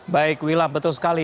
baik wilam betul sekali